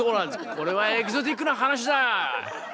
これはエキゾチックな話だ！